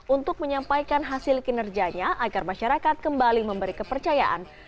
untuk menyampaikan hasil kinerjanya agar masyarakat kembali memberi kepercayaan